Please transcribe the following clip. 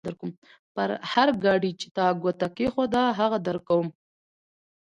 پر هر ګاډي چې تا ګوته کېښوده؛ هغه درکوم.